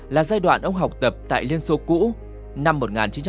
là giai đoạn ông học tập tại liên xô cũ năm một nghìn chín trăm bảy mươi